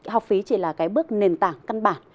học phí chỉ là cái bước nền tảng căn bản